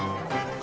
あ